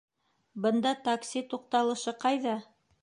Бында такси туҡталышы ҡайҙа?